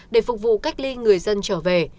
để phục vụ cách ly người dân trở về